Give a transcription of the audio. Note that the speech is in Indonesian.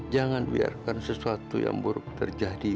jangan biarkan sesuatu yang buruk terjadi